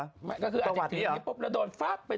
อาจจะถึงเด็กแบบนี้ปุ๊บแล้วโดนแบบแบบแบบ